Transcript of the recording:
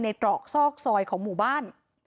ตรอกซอกซอยของหมู่บ้าน